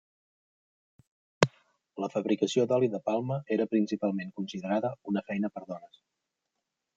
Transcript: La fabricació d'oli de palma era principalment considerada una feina per dones.